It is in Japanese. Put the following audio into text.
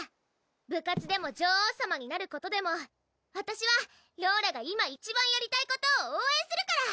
部活でも女王さまになることでもわたしはローラが今一番やりたいことを応援するから！